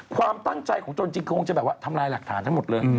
ความตั้งใจของตนจริงคงจะแบบว่าทำลายหลักฐานทั้งหมดเลย